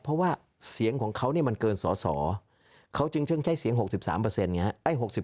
เพราะว่าเสียงของเขาเนี่ยมันเกินสอสอเขาจึงช่างใช้เสียง๖๓ไงฮะ